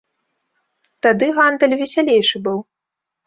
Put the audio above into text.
Тады гандаль весялейшы быў.